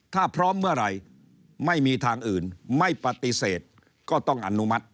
ถ้าพร้อมเมื่อไหร่ไม่มีทางอื่นไม่ปฏิเสธก็ต้องอนุมัติ